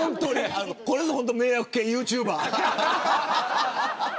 これぞ迷惑系ユーチューバー。